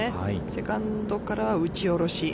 セカンドから打ち下ろし。